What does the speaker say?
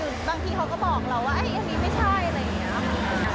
คือบางทีเขาก็บอกเราว่าอันนี้ไม่ใช่อะไรอย่างนี้ค่ะ